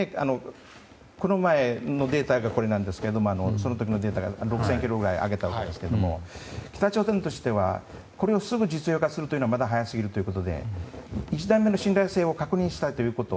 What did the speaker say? この前のデータがこれですがその時のデータが６０００ｋｍくらい上げたということなんですが北朝鮮としてはこれをすぐ実用化するのはまだ早すぎるということで１段目の信頼性を確認したということ。